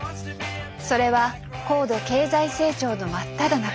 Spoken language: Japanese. それは高度経済成長のまっただ中。